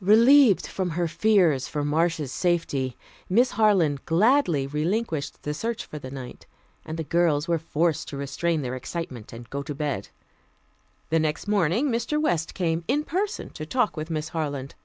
Relieved from her fears for Marcia's safety, Miss Harland gladly relinquished the search for the night, and the girls were forced to restrain their excitement and go to bed. The next morning Mr. West came in person to talk with Miss Harland.